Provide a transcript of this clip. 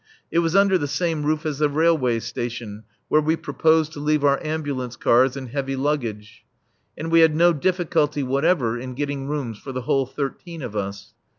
It was under the same roof as the railway station, where we proposed to leave our ambulance cars and heavy luggage. And we had no difficulty whatever in getting rooms for the whole thirteen of us.